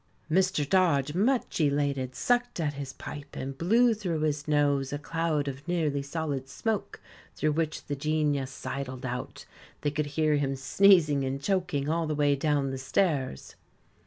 Mr. Dodge, much elated, sucked at his pipe, and blew through his nose a cloud of nearly solid smoke, through which the Genius sidled out. They could hear him sneezing and choking all the way down the stairs.